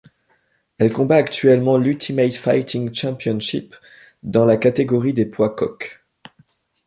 Elle combat actuellement à l'Ultimate Fighting Championship dans la catégorie des poids coqs.